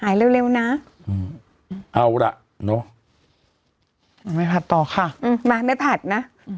หายเร็วเร็วน่ะอืมเอาล่ะเนอะเอาแม่ผัดต่อค่ะอืมมาแม่ผัดน่ะ